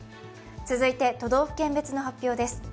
続いて都道府県別の発表です。